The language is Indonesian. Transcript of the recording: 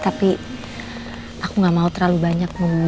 tapi aku gak mau terlalu banyak membubani kamu